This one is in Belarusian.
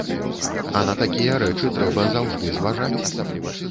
А на такія рэчы трэба заўжды зважаць.